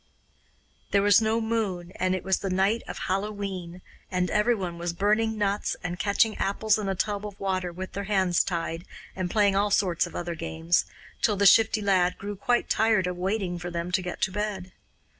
There was no moon, and it was the night of Hallowe'en, and everyone was burning nuts and catching apples in a tub of water with their hands tied, and playing all sorts of other games, till the Shifty Lad grew quite tired of waiting for them to get to bed.